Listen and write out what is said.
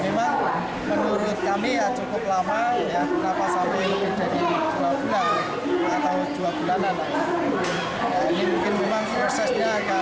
memang menurut kami cukup lama kenapa sampai jadi dua bulan atau dua bulanan